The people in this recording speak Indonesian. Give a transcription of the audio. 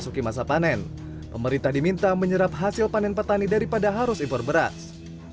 masuki masa panen pemerintah diminta menyerap hasil panen petani daripada harus impor beras